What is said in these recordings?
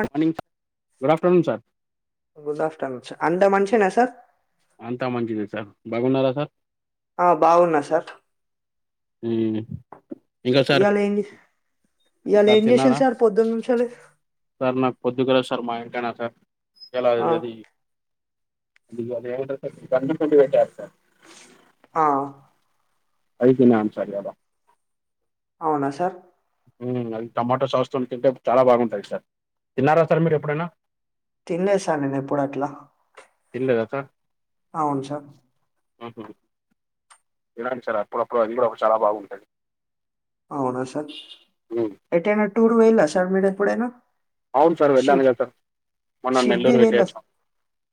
Good morning good afternoon sir good afternoon అంత మంచియేనా sir అంతా మంచిదే సార్ బాగున్నారా సార్ ఆ బాగున్నా సార్ మ్ ఇంకా సార్ ఇవాళ ఏం ఇవాళ సార్ ఏం చేసిలు తిన్నారా? సార్ పొద్దున్న నుంచెల్లి ఇయాల ఆ అది అది ఏమంటర్ సార్ గంజు పిండి పెట్టాన్ సార్ ఆ అయికిన్ అన్ సర్యావా అవునా సార్ మ్ అది టమాటో సాస్తోన్ తింటే చాలా బాగుంటది సార్ తిన్నారా సార్ మీరెప్పుడైనా తిన్లే సార్ నేన్ ఎప్పుడు అట్ల తిన్లేదా సార్ తినాలి సార్ అప్పుడప్పుడు అది గుడా ఒక చాలా బాగుంటది. అవునా సార్ ఎటైనా టూర్ పొయిన్ల సార్ మీరెప్పుడైన అవున్ సార్ వెళ్ళాను కదా మొన్న నెల్లూర్ వెళ్ళి అచ్చాం.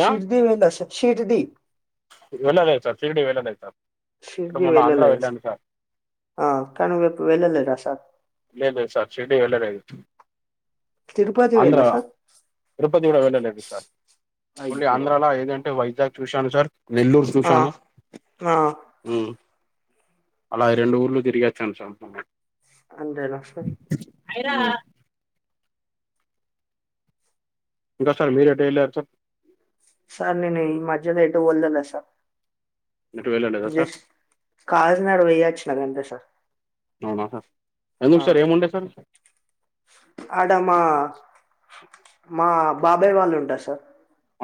షిరిడీ వెళ్ళస్తా చీటి ధీ ఇటు వెళ్ళలేదు సార్ శిరిడీ వెళ్ళలే సార్ ఇప్పుడు శిరిడీ మొన్న ఆంధ్ర వెళ్ళలె వెళ్ళాను సార్ ఆ కనీ వ వేళ్ళలేదా సార్ లే లేద్ సార్ శిరిడీ వెళ్ళలేదు. తిరుపతి వెళ్ళా ఆంధ్రా, సార్ తిరుపతి గుడ వెళ్లలేదు సార్ ఓన్లీ అయ్యో ఆంధ్రాల ఏదంటే వై ద్య చూశాను సార్ నెల్లూర్ ఆ చూశాను. ఆ మ్ అలా ఈ రెండు ఊర్లు తిరిగచ్చాను సార అంతేనా సార్ హాయ్ రా ఇంకా సార్ మీరెటు ఎళ్ళారు సార్ సార్ నేను ఈ మధ్యలో ఎటు వెళ్ళలే సార్ ఎటు వెళ్ళలేదా సార్ ఎస్ కాఘక్నగర్ పొయ్యి వచ్చిన గంతే సార్ అవునా సార్ ఆ ఎందుకు సార్ ఏముండే సార్ ఆడ మా మా బాబాయ్ వాళ్ళు ఉంటరు సార్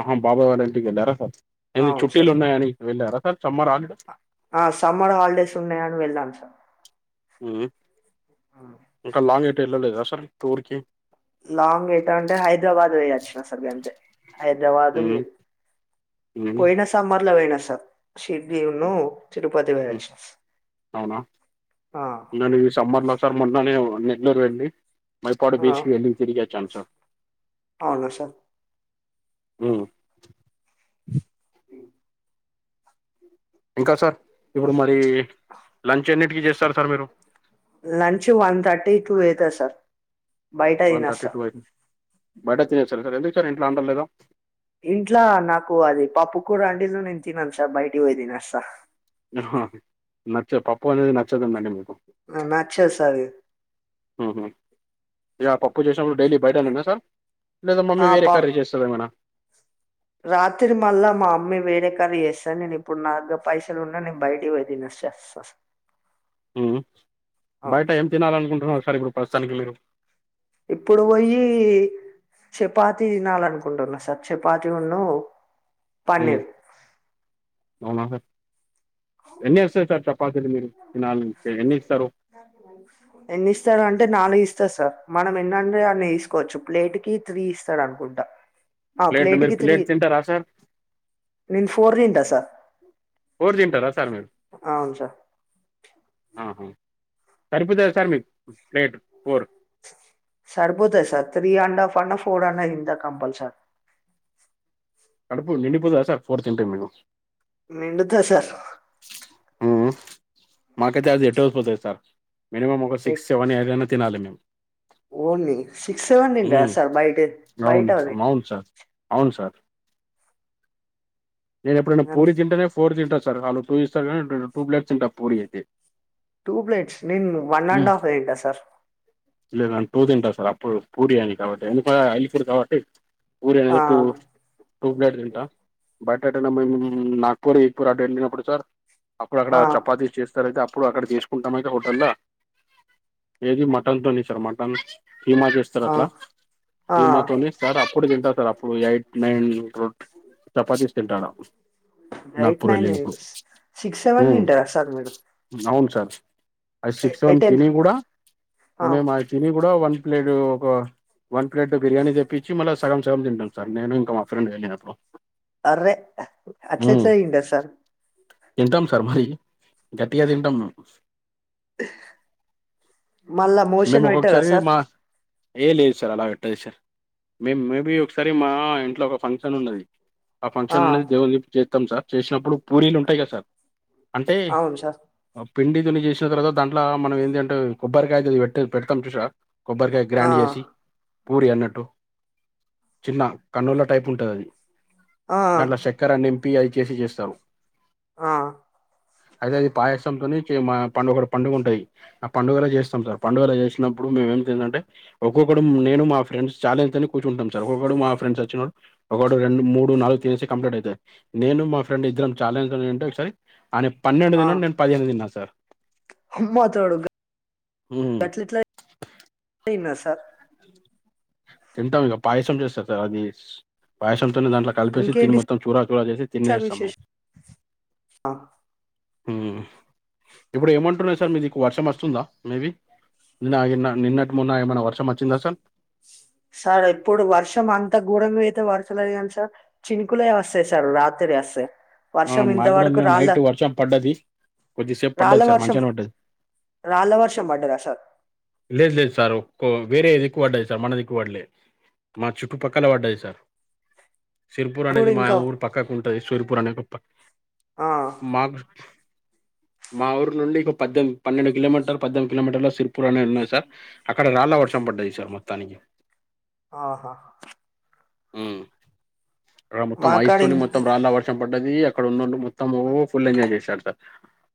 ఆహా బాబాయ్ వాళ్ళ ఇంటికి వెళ్ళారా సార్ ఏంది అవును సార్ చుట్టిలున్నాయని వెళ్ళారా సార్ సమ్మర్ హాలిడే ఆ సమ్మర్ హాలిడేస్ ఉన్నాయని వెళ్ళాం సార్ మ్ ఇంకా లాంగ్ ఎటు ఎళ్ళలేదా సార్ టూర్కి లాంగ్ ఎటంటే హైదరాబాద్ పోయివచ్చిన సార్ అంతే మ్మ్ మ్మ్ పోయిన సమ్మర్ల పోయినా సార్ షిరిడీ ఉను తిరుపతి పోయి మ్మ్ అచ్చిన అవునా నేన్ ఈ సమ్మర్లో సార్ మొన్ననే నెల్లూర్ వెళ్ళి మైపాడు బీచ్కి వెళ్ళి తిరిగి అచ్చాను సార్ అవున సార్ మ్ ఇంకా సార్ ఇప్పుడు మరీ లంచ్ ఎన్నిటికిీ చేస్తరు సార్ మీరు లంచు వన్ థర్టీ టూ అయితద్ సార్ బైట వన్ థర్టీ తినస్తా. టూ అయి బయట తినేస్తారు సార్ ఎందుకు సార్ ఇట్లాండర్ లేదా ఇంట్లా నాకు అది పప్పు కూర అండది నేను తినను సార్ బయటికి పోయి తినొస్తా న హ హ నచ్చ పప్ప అనేది నచ్చదు మేడం అ నచ్చదు సారు ఉహు ఆ పప్పు చేసినప్పుడు డైలీ బయటానేనా సార్ లేదా మమ్మీ ఆ వేరే ప కర్రీ చేస్తాదా ఏమైనా రాత్రి మళ్ళా మా అమ్మీ వేరే కర్రీ చేస్తాది నేను ఇప్పుడు నా పైసలు ఉన్నా నేను బయటకి పోయి తినొస్ చస్సస్ మ్ బయట ఏం తినాలనుకుంటున్నారు సార్ ఇప్పుడు ప్రస్తుతానికి మీరు ఇప్పుడు పోయి చపాతి తినాలనుకుంటున్నా సార్ చపాతి ఉను మ్ ఎన్ని వస్తాయి సార్ చపాతీలు మీరు తినాలి ఎన్ని ఇస్తారు ఎన్ని ఇస్తారు అంటే నాలుగు ఇస్ ఇస్తా సార్ మనం ఎన్నంటే ఆన్ని తీసుకోవచ్చు ప్లేట్ కి త్రీ ఇస్తాడు అనుకుంటా ఆ ప్లేట్ మీరు ప్లేట్కి త్రీ ప్లేట్ తింటారా సార్ నేన్ ఫోర్ తింటా సార్ ఫోర్ తింటారా సార్ మీరు అవును సార్ ఆహా సరిపోతదా సార్ మీకు ప్లేట్ ఫోర్ సరిపోతాది సార్ త్రీ అండ్ హఫ్ అన్న ఫోర్ అన్న తింటా కంపల్సరి కడుపు నిండిపోదా సార్ ఫోర్ తింటే మీకు నిండుతది సార్ మ్ మాకైతే అది ఎటో పోతది సార్ మినిమమ్ ఒక సిక్స్ సెవెన్ ఏదన్న తినాల మేం ఓర్ని సిక్స్ సెవెన్ తింటారా ఉమ్ సార్ బయట అవును బయటవి అవును సార్ అవును సార్ నేను ఎప్పుడైనా పూరి తింటేనే ఫోర్ తింటను సార్ వాళ్ళు టూ ఇస్తారు కానీ టూ ప్లేట్ తింటాను పూరి అయితే టూ ప్లేట్స్ నేను వన్ అండ్ హఫ్ ఏ తింటా సార్ లేదా టూ తింటా సార్ అప్పుడు పూరి అని కాబట్టి ఎందుకో అల్లికూరు కాబట్టి పూరి ఆ అని టూ టూప్లేట్ తింటా బయటట్నా మేము నాగ్పూర్ ఈక్పూర్ అడె ఏళ్ళినప్పుడు సార్ అప్పుడక్కడ ఆ చపాతీస్ చేస్తారు అయితే ఇప్పుడు అక్కడ తీసుకుంటాంయితే హోటల్ల్లో ఏది మటన్ తోనే సార్ మటన్ కీమా చేస్తారు ఆ అట్లా ఆ కీమాతోనే సార్ అప్పుడు తింటా సార్ అప్పుడు ఎయిట్ నైన్ చపాతిస్ తింటాను ఎయిట్ నాగ్పూర్ నైన్ వెళ్ళినప్పుడు సిక్స్ సెవెన్ మ్ తింటారా సార్ మీరు అవును సార్ అ సిక్స్ ఎ సెవెన్ టెన్ తిని కూడా ఆ మేము అది తిని కూడా వన్ ప్లేట్ ఒక వన్ ప్లేట్ బిర్యానీ తెప్పించి మళ్ళ సగం సగం తింటాం సార్ నేను ఇంకా మా ఫ్రెండు గాడు నేను అప్పుడు అర్రే అట్లేట్ల అయింటాది సార్ తింటాం సార్ మరి గట్టిగా తింటాం మేం మళ్ళా అంటే మోషన్ పెట్టారా మొక్కోక్కసారి సార్ మా ఏ లేదు సార్ అలా పెట్టదు సార్ మే మేబీ ఒకసారి మా ఇంట్లో ఒక ఫంక్షన్ ఉన్నది ఆ ఫంక్షన్ అన్నది దేవునీ చేస్తాం సార్ చేసినప్పుడు పూరీలు ఉంటాయి కద సార్ అంటే అవును సార్ పిండి తుని చేసిన తర్వాత దాంట్లో మనం ఏందంటే కొబ్బరికాయ ది పె పెడతాం చూసారా కొబ్బరికాయ ఆ గ్రాండ్ చేసి పూరి అన్నట్టు చిన్న కన్నుల టైప్ ఉంటద్ అది ఆ దాంట్ల చక్కర నింపి అయి చేసి చేస్తరు. ఆ అయితే అది పాయసంతోని చే మా పండు ఒకట్ పంగుంటయి అ పండుగలె చేస్తాం సార్ పండుగలు చేసిన ఇప్పుడు మేం ఏం చేదంటే ఒక్కొక్కడు నేను మా ఫ్రెండ్స్ ఛాలెంజ్తోనీ కూర్చుంటాం సార్ ఒక్కొక్కడు మా ఫ్రెండ్ సచ్చినోడు ఒకటి, రెండు, మూడు, నాలుగు తినేసి కంప్లీట్ అయితయి నేను మా ఫ్రెండ్ ఇద్దరం చాలెంజ్ ఏంటే ఒకసారి అన్నే పన్నెడు తిన్నడు నేను పదిహేను తిన్న సార్ అమ్మా తోడు హ్మ్ గట్లెట్ల సార్ తింటంగ పాయసం చేస్తరు సార్ అది పాయసం తోని దాంట్ల కలిపేసి దిన్ని ఇంకేంటి మొత్తం చూరా చూరా చేసి సార్ తినేస్తాం మేం విశేషం మ్ ఇప్పుడు ఏమంటున్నయి సార్ మీదిక్కు వర్షం వస్తుందా మేబి నిన్నా గిన్న నిన్నక్ మొన్న ఏమైన వర్షం వచ్చిందా సార్ సార్ ఎప్పుడు వర్షం అంత గోరంగా అయితే పడతలేదు గని సార్ చినుకులే వస్తయి సార్ రాత్రి ఎస్ ఆ మాక్ గుడా నిన్న నైట్ వర్షం పడ్డది కొద్దిసేప్ రాళ్ళ పడ్డది సార్ వర్షం మంచిగనే పడ్డది. రాళ్ళ వర్షం పడ్డదా సార్ లేద్ లేదు సార్ ఒక్కో వేరే దిక్కు పడ్డయి సార్ మన దిక్కు పడ్లే. మా చుట్టుపక్కల పడ్డది సార్ సిర్పూర్ ఇప్పుడు అనేది మా ఇంకా ఊర్ పక్కకుంటది సిర్పూర్ అనే గొప్ప ఆ, మాక్ మా ఊర్ నుండి ఇంకో పద్దెమ్ పన్నెండు కిలోమీటర్ పద్దెనిమిది కిలోమీటర్లో సిర్ ర్పూర్ అనేద్ ఉన్నాయి సార్ అక్కడ రాళ్ళ వర్షం పడ్డది సార్ మొత్తానికి ఆహా మ్ అక్కడ మొత్తం మాకాడ ఐస్తోని మొత్తం రాళ్ళ వర్షం పడ్డదీ అక్కడ ఉన్నోళ్లు మొత్తము ఫుల్ ఎంజాయ్ చేశాారు సార్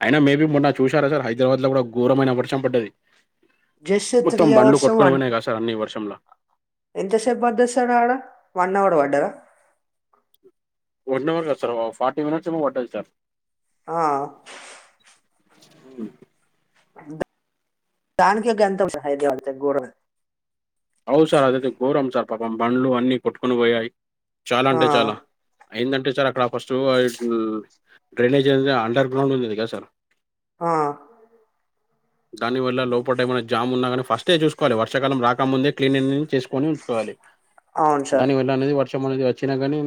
అయినా మేబీ మొన్న చూసారా సార్ హైదరాబాద్లో కూడా ఘోరమైన వర్షం పడ్డది. జస్ట్ మొత్తం త్రీ బండ్లు కొట్కొని పోయినయి కదా సార్ అన్ని వర్షంల ఎంతసేప్ పడ్డద్ సార్ ఆడ వన్ అవర్ పడ్డదా వన్ అవర్ కాద్ సార్ ఫార్టీ మినిట్స్ ఏమో పడ్డది సార్ ఆ అవు దానికే గంత [unintelligible] హైదరాబాద్ల గోరమే అవు సార్ అదైతే ఘోరం సార్ పాపం బండ్లు అన్ని కొట్టుకొని పోయాయి. చాలా ఆ, అంటే చాలా అయిందంటే చాల్ అక్కడ ఫస్ట్ డ్రైనేజ్ అనేది అండర్ గ్రౌండ్ ఉండింది కదా సార్ ఆ దాని వల్ల లోపట ఏమన్న జామ్ ఉన్నా గని ఫస్టే చూస్కోవాలె వర్షకాలం రాకముందే క్లీనిన్ చేస్కొని ఉంచుకోవాలి. అవును సార్ దానివల్ల అనేది వ ర్షం అనేది వచ్చినా కాని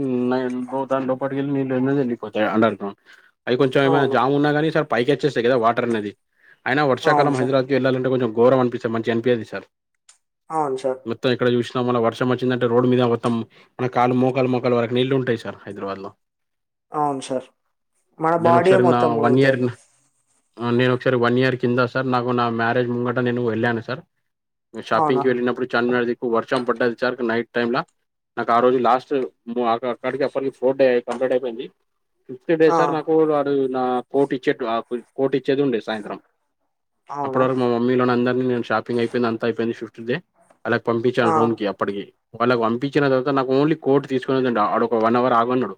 దాన్ లోపట్కెళ్ళి నీళ్ళనేది ఎళ్ళిపోతాయి అండర్ గ్రౌండ్ అది కొంచం ఏమైన అవును జామ్ ఉన్నా కని సార్ పైకి అచ్చేస్తాయి కదా వాటర్ అనేది అయినా అవును వర్షకాలం సార్ హైదరాబద్కి ఎళ్ళాలంటే కొంచం గోరం అనిపిస్త మంచిగ అన్పియది సార్ అవును సార్ మొత్తం ఎక్కడ చూసి నా మన వర్షం వచ్చిందంటే రోడ్ మీద మొత్తం మన కాళ్లు మోకాలు మొకాల్ వరకు నీళ్ళు ఉంటయి సార్ హైదరాబాద్లో అవున్ సార్ మన బాడీయే మొత్తం మునుగుత ఆ నేన్ ఒక్సారి వన్ ఇయర్ కిందా సార్ నాకు నా మ్యారేజ్ ముంగట నేను ఎళ్ళాను సార్ నే అవునా షాపింగ్కి వెళ్ళినప్పుడు చార్మినార్ దిక్కు వర్షం పడ్డది సార్ నైట్ టైమ్ల నాక్ ఆ రోజు లాస్ట్ అ అక్కడికి అప్పటికి ఫోర్త్ డే కంప్లీట్ అయిపోయింది. ఫిఫ్త్ డే ఆ, సార్ నాకు వాడు నా కోర్ట్ ఇచ్చేట్టు ఆ కోర్ట్ ఇచ్చేది ఉండే సాయంత్రం అప్పట్ అవునా వరకు మా మమ్మీలోన్ అందర్నీ నేను షాపింగ్ అయిపోయింది అంత అయిపోయింది ఫిఫ్త్ డే ఆలక్ ఆ పంపించాన్ రూమ్కి అప్పటికి వాళ్ళకి పంపించిన తర్వాత నాకు ఓన్లీ కోర్టు తీసుకున్నదండి ఆడు ఒక వన్ అవర్ ఆగన్నాడు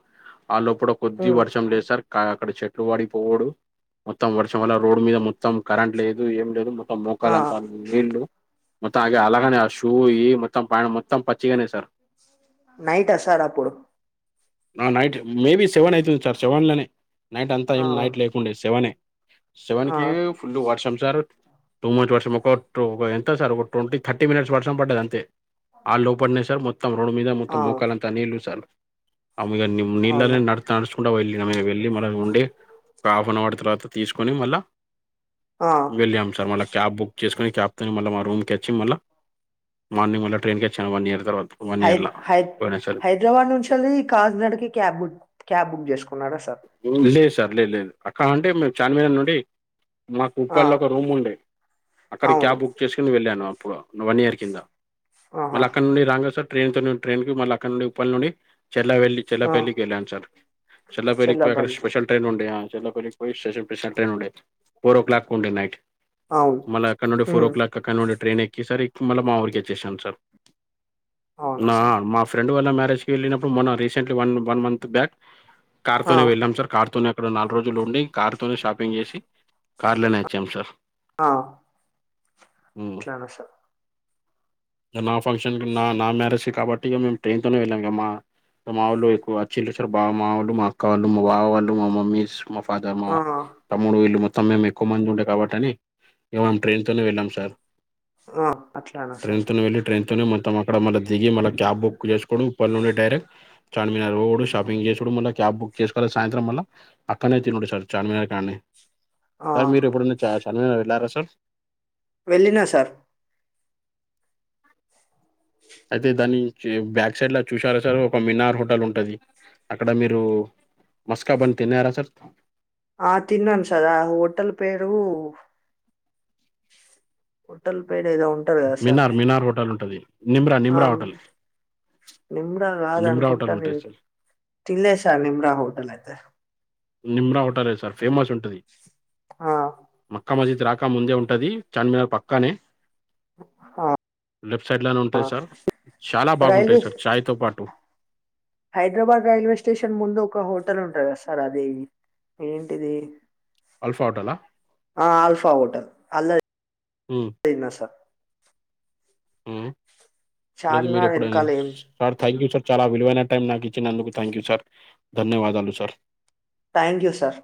ఆలోపట కొద్ది ఉమ్ వర్షం లేదు సార్ అక్కడ చెట్లు వాడిపోవుడు మొత్తం వర్షం అల్ల రోడ్డు మీద మొత్ మొత్తం కరెంట్ లేదు ఏం లేదు మొత్తం ఆ మోకాలంతా నీళ్లు మొత్తం అగే అలాగానే షూ ఈ మొత్తం ప్యాంట్ మొత్తం పచ్చిగానే సార్ నైటా సార్ అప్పుడు ఆ నైట్ మేబీ సెవెన్ అయితుంది సార్ సెవెన్ లనే నైట్ అంతా ఆ ఏం నైట్ లేకుండే సెవెనే ఆ సెవన్కి ఫుల్ వర్షం సార్ టూ మంచ్ వర్షం ఒక టూ ఒక ఎంత సార్ ఒక ట్వంటీ థర్టీ మినిట్స్ వర్షం పడ్డద్ది అంతే ఆలోపడనే సార్ మొత్తం రోడ్ మీద మొత్తం ఆ మోకాలంతా నీళ్ళు సార్ ఆ మీద నీళ్ళ న అవునా నడుచకు వెళ్ళి ఆ మళ్ ఉండి ఒక హాఫ్ అన్ అవర్ తర్వాత తీసుకొని మళ్ళా ఆ వెళ్ళాము సార్ మళ్ళ క్యాబ్ బుక్ చేసుకుని క్యాబ్ తోని మళ్ళ మా రూమ్కి అచ్చి మళ్ళ మార్నింగ్ ట్రైన్కి వచ్చాను వన్ ఇయర్ తర్వాత వన్ హై ఇయర్లా హై హైదరాబాద్ నుంచి అళ్ది కాకినాడకి క్యాబ్ బుక్ క్యాబ్ బుక్ చేసుకున్నాడా సార్ లేదు సార్ లేదు లేదు అక్క ఉంటే మేము చార్మినార్ నుండి మాకు ఆ కుప్పలో ఒక రూమ్ ఉండే అక్కడికి అవును క్యాబ్ బుక్ చేసుకుని వెళ్ళాను ఇప్పుడు వన్ ఇయర్ కింద ఆహా మళ్ళీ అక్కడ నుండి రాంగసట్ ట్రైన్ తోడి ట్రైన్ కి మళ్ళ అక్కడ నుండి ఉప్పల్ నుండి చెల్లా వెల్లి చెల్లా ఆ పెళ్ళికి వెళాను సార్ చెల్ల పెళ్లికి అక్కడ చల్లబల్ స్పెషల్ ట్రైన్ ఉండే ఆ చెర్లో పల్లికి పోయి స్టేషన్ స్పెషల్ ప్రశాంతి ట్రైన్ ఉండే ఫోర్ ఓ క్లాక్ కు ఉండే నైట్ అవును మల్ల అక్కడ నుండి ఫోర్ ఓ ఉమ్ క్లాక్ కక్కనుండి ట్రైన్ ఎక్కి సార్ మళ్ళ మా ఊరికి వచ్చేసాను సార్ అవునా నా సార్ మా ఫ్రెండ్ వల్ల మ్యారేజ్ కి వెళ్ళినప్పుడు మొన్న recently one one month back car ఆ తోనే వెళ్ళాం సార్ కార్ తోనే అక్కడ నాలుగు రోజులు ఉండి కార్ తోనే షాపింగ్ చేసి కార్ లోనే వచ్చాం సార్ ఆ హ్మ్. అట్లన సార్ నా ఫంక్షన్ నా నా మ్యారేజ్ సి కాబట్టి మేము ట్రైన్ తోనే వెళ్ళాం ఇగ మా వాళ్ళు ఎక్కువ వచ్చిండ్రీ సార్ బా మా వాళ్ళు మా అక్క వాళ్ళు మా బాబ వాళ్ళు మా మమ్మీస్ మా ఫాదర్ మా ఆ తమ్ముడు వీళ్ళు మా మొత్తం మేము ఎక్కువ మంది ఉంటే కబ్బట్టని మేము ట్రైన్ తోనే వెళ్ళాం సార్ ఆ అట్లనా ట్రైన్ సార్ తోనే వెళ్ళి ట్రైన్ మొత్తం అక్కడ మల్ల దిగి మళ్ళ క్యాబ్ బుక్ చేసుకోడు ఉప్పల్ నుండి డైరెక్ట్ చార్మినార్ రోడ్డు షాపింగ్ చేసుడు మళ్ళ క్యాబ్ బుక్ చేసుకోవలే సాయంత్రం వల్ల పక్కనే తినుడు సార్ చార్మినార్ కాన్నే ఆ సార్ మీరు ఎప్పుడున్న చా చార్మినార్ వెళ్ళారా సార్ వెళ్ళిన సార్ అయితే దాని బ్యాక్ సైడ్ లా చూసారా సార్ ఒక మినార్ హోటల్ ఉంటది అక్కడ మీరు మస్కా బన్ తిన్నారా సార్ ఆ తిన్నాను సార్ ఆ హోటల్ పేరు హోటల్ పేడ్ ఏదో ఉంటది కదా సార్ మినార్ మినార్ హోటల్ ఉంటది నిమ్రా ఆ నిమ్రా హోటల్ నిమ్రా నిమ్రా కాదనుకుంటా హోటల్ ఉంటది నేను సార్ తినలేదు నిమ్రా హోటెల్ అయితే నిమ్రా హోటలే సార్ ఫేమస్ ఉంటది ఆ మక్కా మజిద్ రాక ముందే ఉంటది చార్మినార్ పక్కనే ఆ లెఫ్ట్ సైడ్ లోనే ఉంటయి సార్ చాలా రైల్వే బాగుంటాయి సార్ ఛాయ్ తో పాటు హైదరాబాద్ రైల్వే స్టేషన్ ముందు ఒక హోటల్ ఉంటది కదా సార్ అది ఏంటిది అల్ఫా హోటలా ఆ ఆల్ఫా హోటల్ అలా ఆ లేదు మీరు చార్మినార్ ఎప్పుడైనా వెనకాల ఏం సార్ థ్యాంక్ యూ సార్ చాలా విలువైన టైం నాకు ఇచ్చినందుకు థ్యాంక్ యూ సార్ ధన్యవాదాలు సార్ థ్యాంక్ యూ సార్